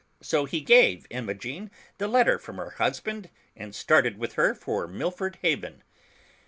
So he gave Imogen the letter from her husband, and started with her for Mil ford Haven.